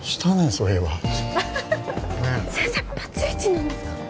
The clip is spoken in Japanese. そういえば先生バツイチなんですか？